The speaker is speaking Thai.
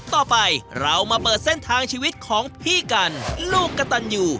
ต่อไปเรามาเปิดเส้นทางชีวิตของพี่กันลูกกระตันอยู่